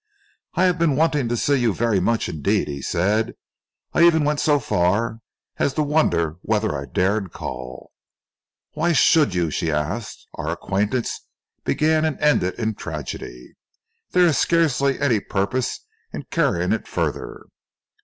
"I have been wanting to see you very much indeed," he said. "I even went so far as to wonder whether I dared call." "Why should you?" she asked. "Our acquaintance began and ended in tragedy. There is scarcely any purpose in carrying it further."